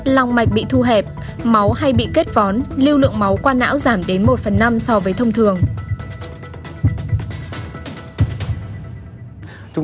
lòng mạch bị thu hẹp máu hay bị kết vón lưu lượng máu qua não giảm đến một phần năm so với thông thường